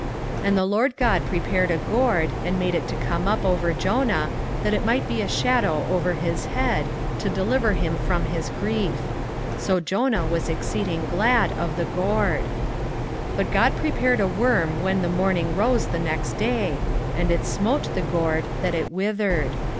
4:6 And the LORD God prepared a gourd, and made it to come up over Jonah, that it might be a shadow over his head, to deliver him from his grief. So Jonah was exceeding glad of the gourd. 4:7 But God prepared a worm when the morning rose the next day, and it smote the gourd that it withered.